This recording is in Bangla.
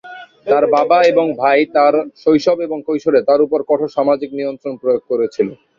তার বাবা এবং ভাই তার শৈশব এবং কৈশোরে তার উপর কঠোর সামাজিক নিয়ন্ত্রণ প্রয়োগ করেছিল।